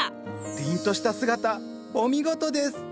凜とした姿お見事です！